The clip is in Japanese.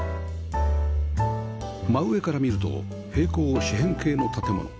真上から見ると平行四辺形の建物